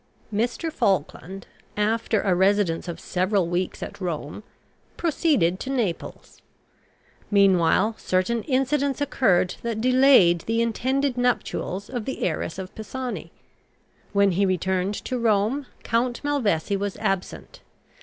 Mr. Falkland, after a residence of several weeks at Rome, proceeded to Naples. Meanwhile certain incidents occurred that delayed the intended nuptials of the heiress of Pisani. When he returned to Rome Count Malvesi was absent.